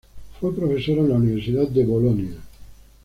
Fue profesor en la Universidad de Bolonia.